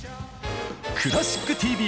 「クラシックＴＶ」！